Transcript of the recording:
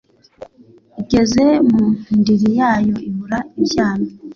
Igeze mu ndiri yayo ibura ibyana